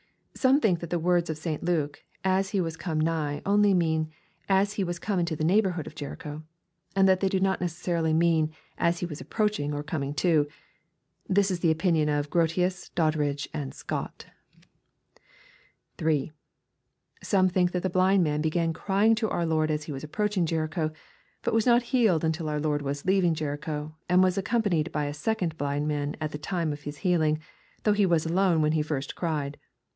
Some think that the words of St. Luke, " as He was come nigh," only mean, " as He was in the neighborhood of Jericho, and that they do not necessarily mean, " as He was approaching, or coming to." This is the opinion of Grotius, Doddridge, and Scott. (3.) Some think that the blind man began crying to our Lord as He was approaching Jericho, but was not healed until our J^ord was leaving Jericho, and was accompanied by the second Hind man at the time of his healing, though he was alone when he first cried.